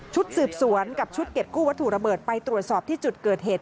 สืบสวนกับชุดเก็บกู้วัตถุระเบิดไปตรวจสอบที่จุดเกิดเหตุ